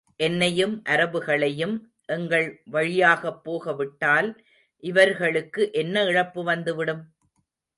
என்னையும், அரபுகளையும் எங்கள் வழியாகப் போக விட்டால் இவர்களுக்கு என்ன இழப்பு வந்துவிடும்?